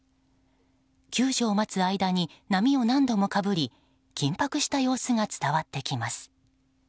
救助を待つ間に波を何度もかぶり緊迫した様子が伝わってきます。